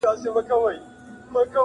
خو څه وکړم چې صبر دا بې دینه نه کوي